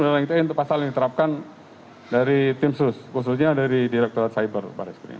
noleng tepas saling terapkan dari tim sus khususnya dari direktur cyber baris kering